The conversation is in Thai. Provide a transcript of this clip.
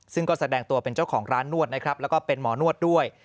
ซึ่งก็แสดงตัวเป็นเจ้าของร้านนวดนะครับแล้วก็เป็นหมอนวดด้วย